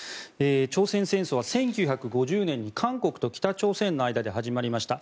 朝鮮戦争は１９５０年に韓国と北朝鮮の間で始まりました。